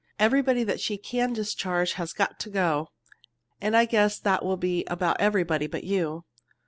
Everybody that she can discharge has got to go and I guess that will be about everybody but you."